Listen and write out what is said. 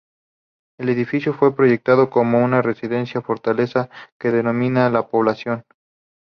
El edificio fue proyectado como una residencia-fortaleza que dominara la población.